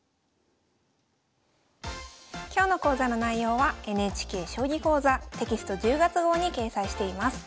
今日の講座の内容はＮＨＫ「将棋講座」テキスト１０月号に掲載しています。